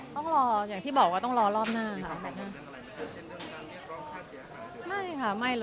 ต้องรออย่างที่บอกว่าต้องรอรอบหน้าค่ะ